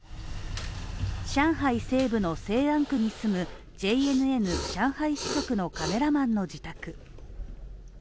上海西部の静安区に住むＪＮＮ上海支局のカメラマンの自宅。